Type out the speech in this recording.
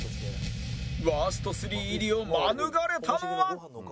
ワースト３入りを免れたのは